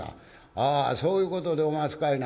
「ああそういうことでおますかいな。